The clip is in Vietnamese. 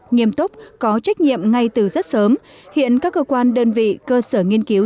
nghiêm túc có trách nhiệm ngay từ rất sớm hiện các cơ quan đơn vị cơ sở nghiên cứu